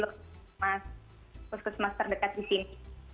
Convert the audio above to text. terus ke wisma terdekat di sini